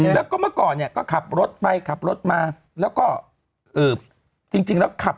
แล้วก็เมื่อก่อนเนี่ยก็ขับรถไปขับรถมาแล้วก็จริงแล้วขับ